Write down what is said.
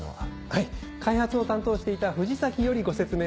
はい開発を担当していた藤崎よりご説明を。